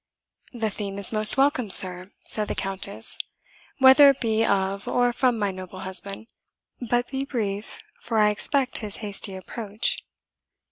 "The theme is most welcome, sir," said the Countess, "whether it be of or from my noble husband. But be brief, for I expect his hasty approach."